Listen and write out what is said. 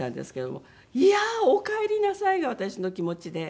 「いやあおかえりなさい！」が私の気持ちで。